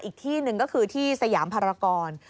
อีกที่หนึ่งก็คือที่สยามภารกร